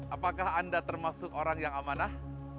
apakah anda termasuk orang yang amanah